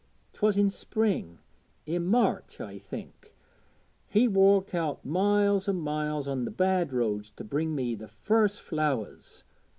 'Twas i' spring i' March I think he walked out miles an' miles on the bad roads to bring me the first flowers.